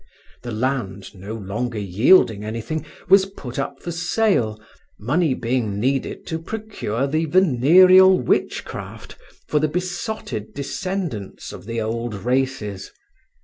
The land no longer yielding anything was put up for sale, money being needed to procure the venereal witchcraft for the besotted descendants of the old races.